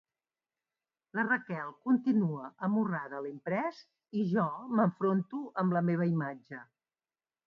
La Raquel continua amorrada a l'imprès i jo m'enfronto amb la meva imatge.